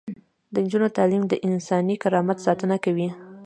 د نجونو تعلیم د انساني کرامت ساتنه کوي.